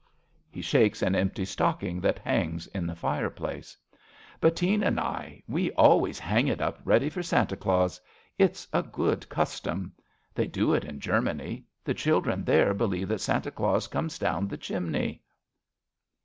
{He shakes an empty stocking that hangs in the fire place.) Bettine and I, we always hang it up Ready for Santa Claus. It's a good custom. They do it in Germany. The children there Believe that Santa Claus comes down the chimney.